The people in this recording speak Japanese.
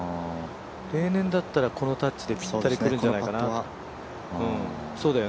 例年だったらこのタッチでピッタリ来るんじゃないかな。